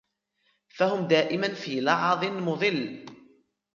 فَهُمْ دَائِمًا فِي لَغَطٍ مُضِلٍّ